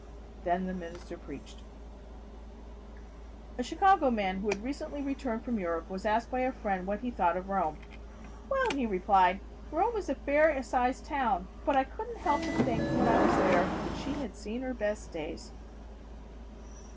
Then the minister preached. A Chicago man who has recently returned from Europe was asked by a friend what he thought of Rome. "Well," he replied, "Rome is a fair sized town, but I couldn't help but think when I was there that she had seen her best days."